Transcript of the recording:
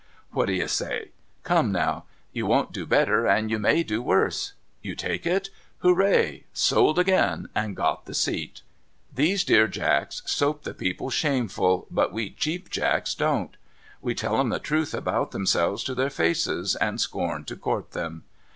What do you say ? Come now ! You won't do better, and you may do worse. You take it ? Hooray ! Sold again, and got the seat !' These Dear Jacks soap the people shameful, but we Cheap Jacks don't. We tell 'em the truth about themselves to their faces, and scorn to court 'em.